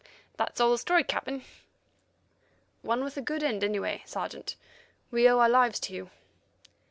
That's all the story, Captain." "One with a good end, anyway, Sergeant. We owe our lives to you."